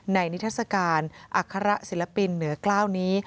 นิทัศกาลอัคระศิลปินเหนือกล้าวนี้